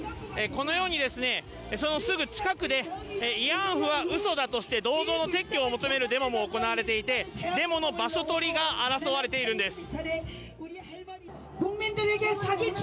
このように、そのすぐ近くで、慰安婦はうそだとして、銅像の撤去を求めるデモも行われていて、デモの場所取りが争われているんです。